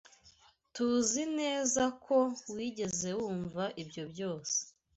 TUZI neza ko wigeze wumva ibyo byose.